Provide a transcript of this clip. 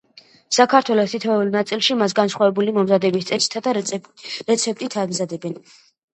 საქართველოს თითოეულ ნაწილში მას განსხვავებული მომზადების წესითა და რეცეპტით ამზადებენ.